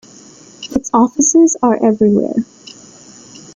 Its offices are everywhere.